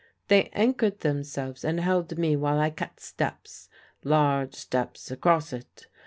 "They anchored themselves and held me while I cut steps large steps across it.